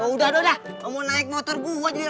udah udah udah mau naik motor gue